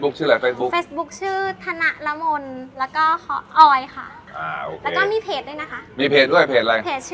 ขายยาวขนมจีน